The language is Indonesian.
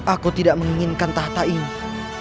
aku tidak menginginkan tahta ini